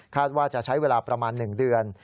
ว่าจะใช้เวลาประมาณ๑เดือน